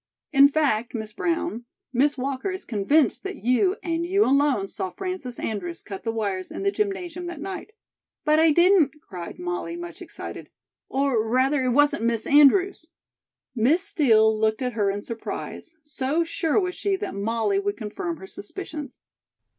In fact, Miss Brown, Miss Walker is convinced that you and you alone saw Frances Andrews cut the wires in the gymnasium that night." "But I didn't," cried Molly, much excited; "or, rather, it wasn't Miss Andrews." Miss Steel looked at her in surprise, so sure was she that Molly would confirm her suspicions.